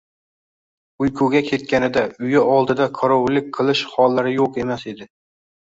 uyquga ketganida uyi oldida qorovullik qilish hollari yo'q emas edi.